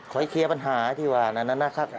ขอให้เคลียร์ปัญหาให้ดีกว่านั้นนะครับ